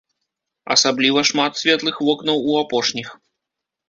Асабліва шмат светлых вокнаў у апошніх.